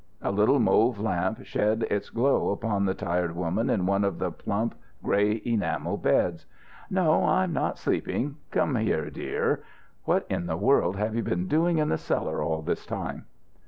A little mauve lamp shed its glow upon the tired woman in one of the plump, grey enamel beds. "No, I'm not sleeping. Come here, dear. What in the world have you been doing in the cellar all this time?"